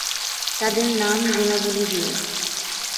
তাদের নাম গুণাবলী দিয়ে।